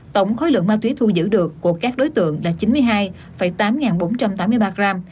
tổng khối lượng ma túy thu giữ được của các đối tượng là chín mươi hai tám bốn trăm tám mươi ba gram